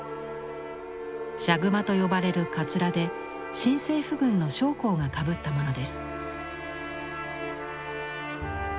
シャグマと呼ばれるかつらで新政府軍の将校がかぶったものです。